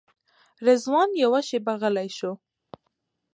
رضوان یوه شېبه غلی شو.